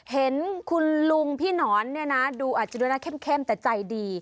เห็นคุณลุงพี่หนอนเนี่ยนะดูอาจจะดูหน้าเข้มแต่ใจดี